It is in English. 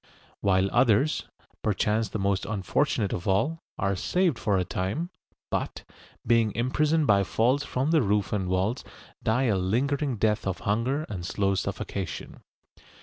While others, perchance the most unfortunate of all, are saved for a time, but, being imprisoned by falls from the roof and walls, die a lingering death of hunger and slow suffocation.